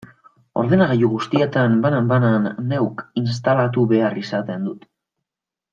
Ordenagailu guztietan, banan-banan, neuk instalatu behar izaten dut.